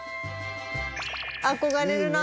憧れるな。